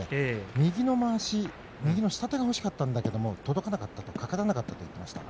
右のまわしを、右の下手がほしかったんだけれども届かなかった、かからなかったという話です。